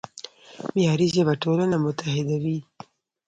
معیاري ژبه ټولنه متحدوي.